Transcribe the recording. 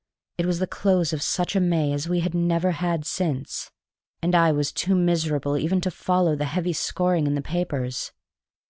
It was the close of such a May as we had never had since, and I was too miserable even to follow the heavy scoring in the papers.